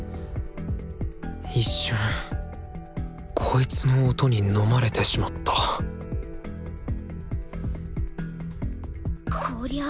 一瞬こいつの音に飲まれてしまったこりゃあ